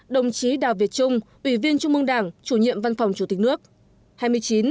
hai mươi tám đồng chí đào việt trung ủy viên trung mương đảng chủ nhiệm văn phòng chủ tịch nước